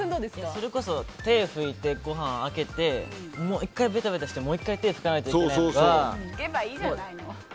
それこそ、手を拭いてご飯をあけて１回ベタベタしてもう１回手を拭かないと拭けばいいじゃないの。